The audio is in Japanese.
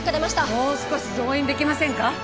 もう少し増員できませんか？